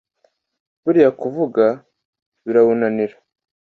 buriy kuvuga biraunanira